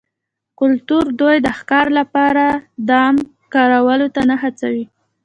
کلتور دوی د ښکار لپاره دام کارولو ته نه هڅول